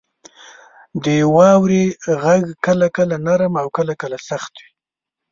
• د واورې غږ کله کله نرم او کله سخت وي.